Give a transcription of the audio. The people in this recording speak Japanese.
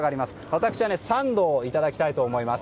私はサンドをいただきたいと思います。